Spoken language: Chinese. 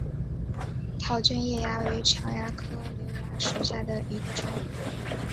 桃卷叶蚜为常蚜科瘤蚜属下的一个种。